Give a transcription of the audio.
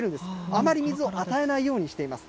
あまり水を与えないようにしています。